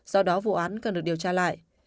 do đó vụ án cần được điều tra lại